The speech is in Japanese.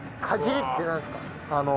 かじりってなんですか？